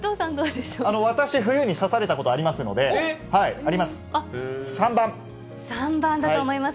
私、冬に刺されたことありますので、あります。